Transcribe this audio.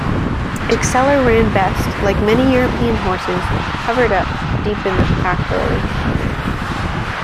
Exceller ran best, like many European horses, "covered up"-deep in the pack early.